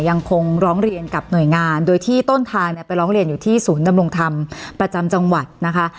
ยังคงร้องเรียนกับหน่วยงานโดยที่ต้นทางเนี่ยไปร้องเรียนอยู่ที่ศูนย์ดำรงธรรมประจำจังหวัดนะคะ